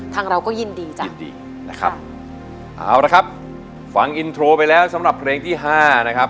ทางเราก็ยินดีจ้ะยินดีนะครับเอาละครับฟังอินโทรไปแล้วสำหรับเพลงที่ห้านะครับ